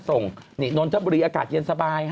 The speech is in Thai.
ส่งนี่นนทบุรีอากาศเย็นสบาย